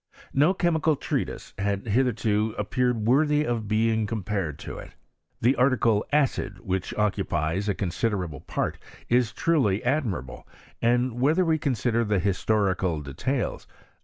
No chemical treatise had hitherto appeared worthy of PROGRESt QV GHBM19TRY TSf FRANCE. being compared to it* The article Acidy which occu>» piefra considerable part, is truely admirable; and whether we consider the historical details, the com.